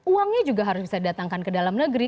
uangnya juga harus bisa didatangkan ke dalam negeri